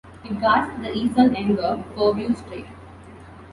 It guards the eastern end of Foveaux Strait.